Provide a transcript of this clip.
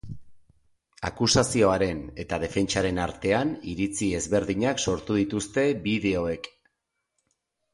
Akusazioaren eta defentsaren artean iritzi ezberdinak sortu dituzte bideoek.